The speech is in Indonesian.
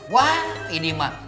wah ini mang